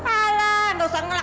alah nggak usah ngelak